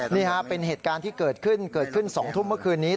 นี่ฮะเป็นเหตุการณ์ที่เกิดขึ้นเกิดขึ้น๒ทุ่มเมื่อคืนนี้